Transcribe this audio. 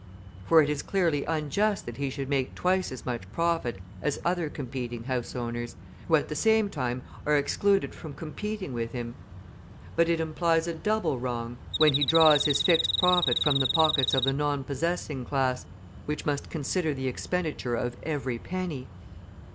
For it is clearly unjust that he should make twice as much profit as other competing house owners, who at the same time are excluded from competing with him. But it implies a double wrong, when he draws his fixed profit from the pockets of the non possessing class, which must consider the expenditure of every penny.